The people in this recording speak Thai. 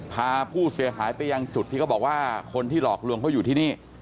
พาผู้เสียหายไปยังจุดที่เขาบอกว่าคนที่หลอกลวงเขาอยู่ที่นี่